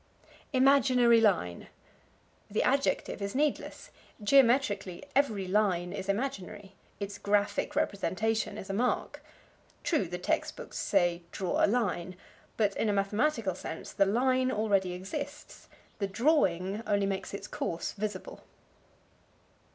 Imaginary Line. The adjective is needless. Geometrically, every line is imaginary; its graphic representation is a mark. True the text books say, draw a line, but in a mathematical sense the line already exists; the drawing only makes its course visible.